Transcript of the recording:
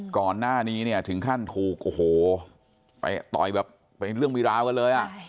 ก่อนหน้านี้เนี่ยถึงขั้นถูกโอ้โหไปต่อยแบบเป็นเรื่องมีราวกันเลยอ่ะ